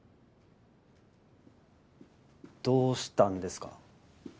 どうしたんですか？